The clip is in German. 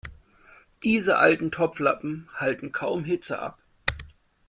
Diese alten Topflappen halten kaum Hitze ab.